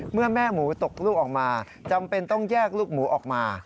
เมื่อแม่หมูตกลูกออกมาจำเป็นต้องแยกลูกหมูออกมา